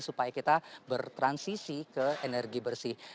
supaya kita bertransisi ke energi bersih